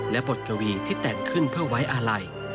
และบทกวีที่แต่งขึ้นเพื่อไว้อาลัย